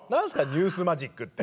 ニュースマジックって。